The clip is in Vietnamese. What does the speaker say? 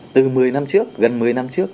từ một mươi năm trước gần một mươi năm trước